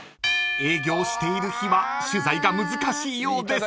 ［営業している日は取材が難しいようです］